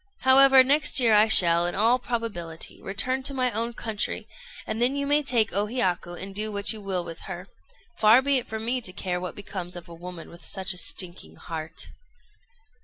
However, next year I shall, in all probability, return to my own country, and then you may take O Hiyaku and do what you will with her: far be it from me to care what becomes of a woman with such a stinking heart."